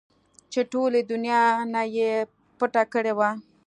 چې ټولې دونيا نه يې پټه کړې وه.